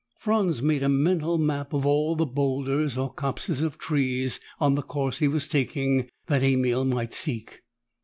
Franz made a mental map of all the boulders or copses of trees on the course he was taking that Emil might seek.